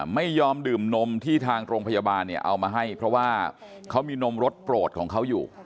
ไม่ยอมดื่มนมที่ทางโรงพยาบาลเนี่ยเอามาให้เพราะว่าเขามีนมรสโปรดของเขาอยู่